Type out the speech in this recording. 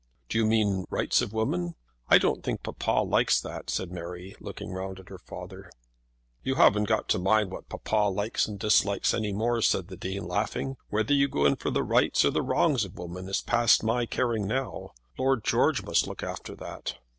"Do you mean Rights of Women? I don't think papa likes that," said Mary, looking round at her father. "You haven't got to mind what papa likes and dislikes any more," said the Dean, laughing. "Whether you go in for the rights or the wrongs of women is past my caring for now. Lord George must look after that."